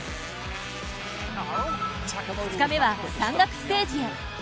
２日目は、山岳ステージへ。